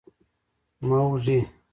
موږي.